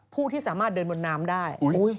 ผู้ที่สามารถเดินบนน้ำได้